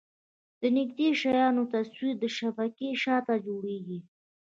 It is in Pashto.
د نږدې شیانو تصویر د شبکیې شاته جوړېږي.